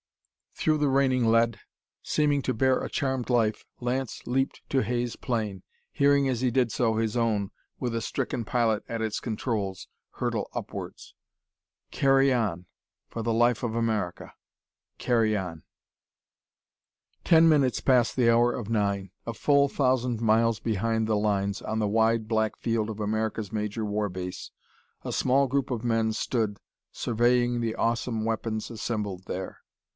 Through the raining lead, seeming to bear a charmed life, Lance leaped to Hay's plane, hearing as he did so his own, with a stricken pilot at its controls, hurtle upwards. Carry on! For the life of America! Carry on! Ten minutes past the hour of nine. A full thousand miles behind the lines, on the wide black field of America's major war base, a small group of men stood, surveying the awesome weapons assembled there.